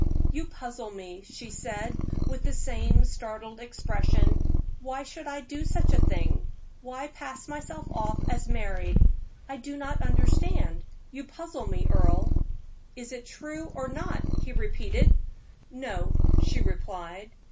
"You puzzle me," she said, with the same startled expression. "Why should I do such a thing why pass myself off as married? I do not understand you puzzle me, Earle." "Is it true, or not?" he repeated. "No," she replied.